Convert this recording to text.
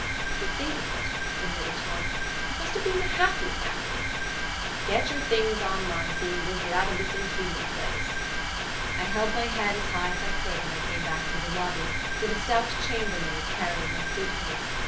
"Come to think of it," admitted Tom, "it must have been 'The Happy Family.' Get your things on, Mysie, and we'll get out of this inhuman place." I held my head as high as I could when I came back through the lobby, with a stout chambermaid carrying my suit case.